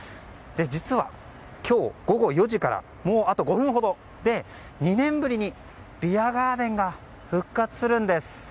実は今日午後４時からもうあと５分ほどで２年ぶりにビアガーデンが復活するんです。